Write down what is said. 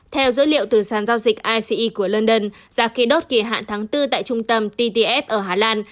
theo dữ liệu từ sàn giao dịch ice của london giá khí đốt kỳ hạn tháng bốn tại trung tâm ttf ở hà lan